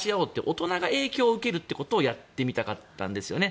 大人が影響を受けるということをやってみたかったんですよね。